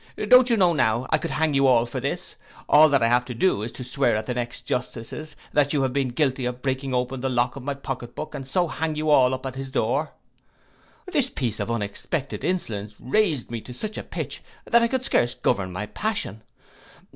Don't you know, now, I could hang you all for this? All that I have to do, is to swear at the next justice's, that you have been guilty of breaking open the lock of my pocket book, and so hang you all up at his door.' This piece of unexpected insolence raised me to such a pitch, that I could scare govern my passion.